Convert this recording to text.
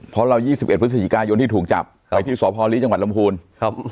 เพราะเรา๒๑พฤศจิกายนที่ถูกจับไปที่สพลีจังหวัดลำพูนครับ